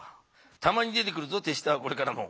たまに出てくるぞ手下はこれからも。